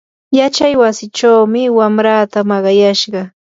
yachaywasichawmi wamraata maqayashqa.